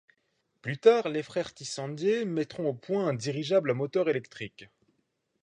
Plus tard les frères Tissandier mettront au point un dirigeable à moteur électrique.